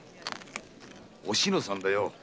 おしのさんだよ。